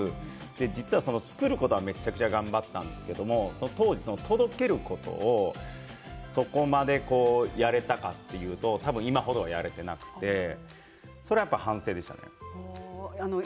実は作ることはめちゃくちゃ頑張ったんですけど当時、届けることをそこまでやれたかというと今程やれていなくてそれはやっぱ反省でしたね。